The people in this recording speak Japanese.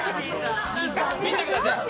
見てください。